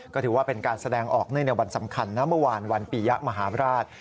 ก็ถือว่าเป็นการแสดงออกในวันสำคัญนะเมื่อวานวันปียะมหาวิทยาลัย